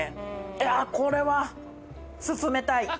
いやこれは薦めたい。